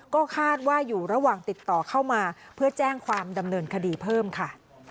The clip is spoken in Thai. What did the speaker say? ก็คาดว่าอยู่ระหว่างติดต่อเข้ามาเพื่อแจ้งความดำเนินคดีเพิ่มค่ะ